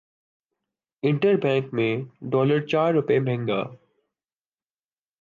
inter bank میں dollar چار روپے مہنگا